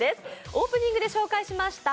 オープニングで紹介しました